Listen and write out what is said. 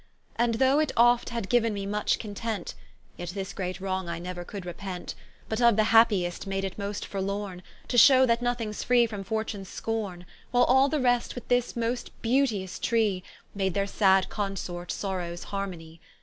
And though it oft had giu'n me much content, Yet this great wrong I neuer could repent: But of the happiest made it most forlorne, To shew that nothing's free from Fortune's scorne, While all the rest with this most beauteous tree, Made their sad consort Sorrowes harmony.